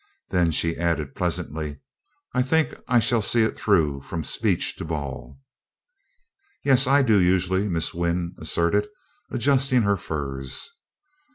Then she added pleasantly: "I think I shall see it through, from speech to ball." "Yes, I do usually," Miss Wynn asserted, adjusting her furs.